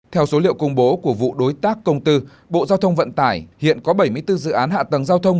theo số liệu công bố của vụ đối tác công tư bộ giao thông vận tải hiện có bảy mươi bốn dự án hạ tầng giao thông